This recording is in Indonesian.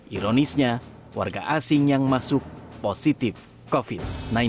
ironisnya warga asing yang masuk positif covid sembilan belas